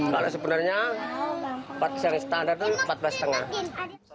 kalau sebenarnya empat seri standar itu empat belas lima